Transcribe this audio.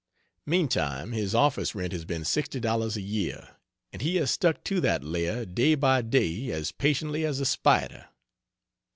Meantime his office rent has been $60 a year, and he has stuck to that lair day by day as patiently as a spider.